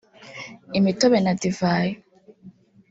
imitobe na divayi